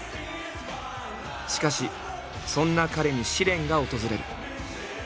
しかしそんな彼に試練が訪れる。